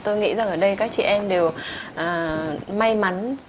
tôi nghĩ rằng ở đây các chị em đều may mắn